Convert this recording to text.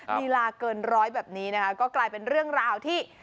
ลีลาเกินร้อยแบบนี้นะคะก็กลายเป็นเรื่องราวที่